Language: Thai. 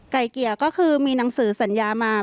ไก่เกลี่ยก็คือมีหนังสือสัญญามา